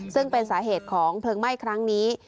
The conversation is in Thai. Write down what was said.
ซึ่งเป็นสาเหตุของเพลิงไหม้ครั้งนี้